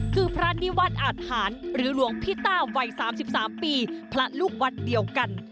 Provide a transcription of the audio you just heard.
คือพระนิวัฒน์อาทหารหรือหลวงพี่ต้าวัย๓๓ปีพระลูกวัดเดียวกัน